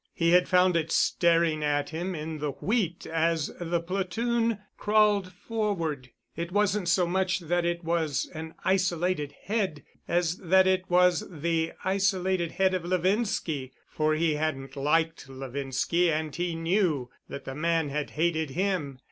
He had found it staring at him in the wheat as the platoon crawled forward. It wasn't so much that it was an isolated head, as that it was the isolated head of Levinski, for he hadn't liked Levinski and he knew that the man had hated him.